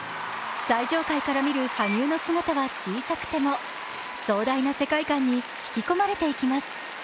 最上階から見る羽生の姿は小さくても、壮大な世界観に引き込まれていきます。